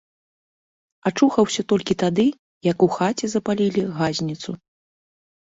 Ачухаўся толькі тады, як у хаце запалілі газніцу.